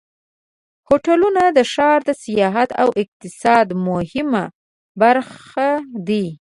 هوټلونه د ښار د سیاحت او اقتصاد مهمه برخه دي.